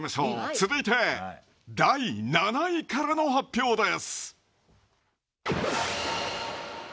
続いて第７位からの発表です。